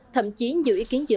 thậm chí nhiều ý kiến dựa